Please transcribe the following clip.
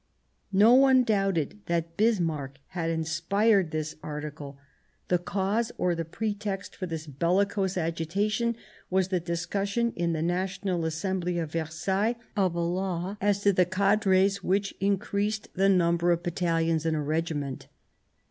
No one doubted that Bismarck had inspired this 179 Bismarck article. The cause or the pretext for this bellicose agitation was the discussion in the National As sembly of Versailles of a law as to the cadres which increased the number of battalions in a regiment.